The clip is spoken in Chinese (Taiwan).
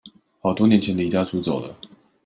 好多年前離家出走了